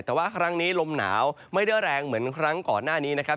แต่ว่าครั้งนี้ลมหนาวไม่ได้แรงเหมือนครั้งก่อนหน้านี้นะครับ